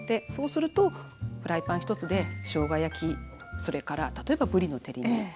そうするとフライパン１つでしょうが焼きそれから例えばぶりの照り煮。